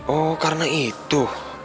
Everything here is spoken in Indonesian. oh karena itu